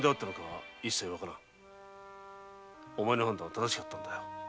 お前の判断は正しかったんだ。